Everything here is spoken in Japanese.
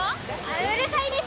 うるさいです